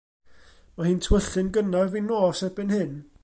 Mae hi'n tywyllu'n gynnar fin nos erbyn hyn.